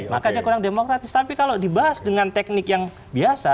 maka dia kurang demokratis tapi kalau dibahas dengan teknik yang biasa